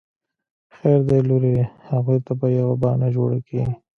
خير دی لورې اغوئ ته به يوه بانه جوړه کې.